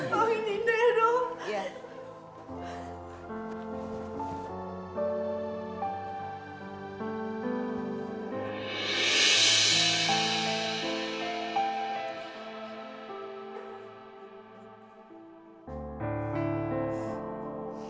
mohon indah ya dong